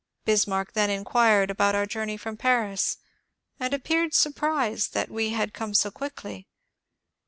Bismarck then inquired about our journey from Paris, and appeared surprised that we had come so quickly.